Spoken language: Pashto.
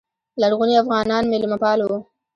لرغوني افغانان میلمه پال وو